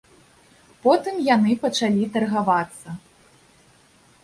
Потым яны пачалі таргавацца.